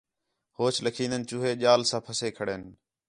ہوچ لَکھین٘دِن چوہے ڄال سا پَھسّے کھڑِن